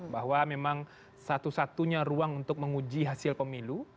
bahwa memang satu satunya ruang untuk menguji hasil pemilu